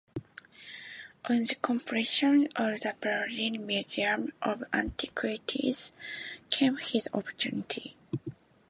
On the completion of the Berlin Museum of Antiquities came his opportunity.